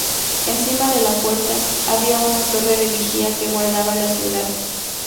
Encima de la puerta, había una torre de vigía que guardaba la ciudad.